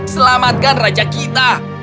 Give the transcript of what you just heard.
selamatkan raja kita